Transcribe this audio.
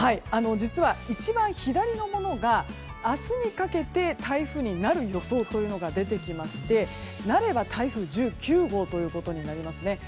実は、一番左のものが明日にかけて台風になる予想というのが出てきましてなれば台風１９号となりますね。